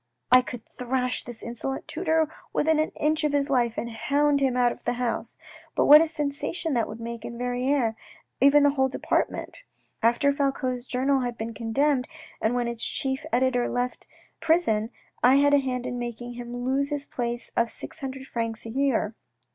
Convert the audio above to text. " I could thrash this insolent tutor within an inch of his life and hound him out of the house ; but what a sensation that would make in Verrieres and even over the whole department ! After Falcoz' journal had been condemned, and when its chief editor left prison, I had a hand in making him lose his place of six hundred francs a year.